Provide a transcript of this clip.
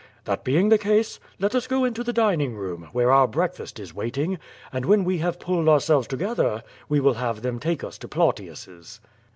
"That being the case, let us go into the dining room, where our breakfast is waiting, and when we have pulled ourselves together, we will have them take us to Plautius^s."